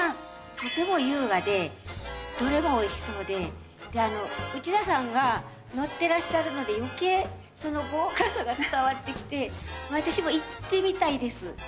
とても優雅でどれもおいしそうでで内田さんが乗ってらっしゃるので余計その豪華さが伝わってきて私も行ってみたいです。